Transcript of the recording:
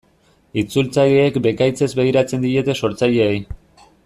Itzultzaileek bekaitzez begiratzen diete sortzaileei.